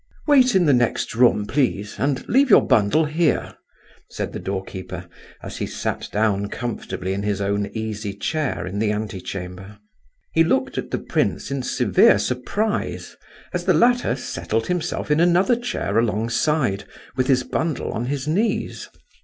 "Wait in the next room, please; and leave your bundle here," said the door keeper, as he sat down comfortably in his own easy chair in the ante chamber. He looked at the prince in severe surprise as the latter settled himself in another chair alongside, with his bundle on his knees.